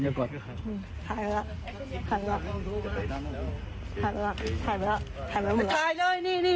ในแคลปเท่าไร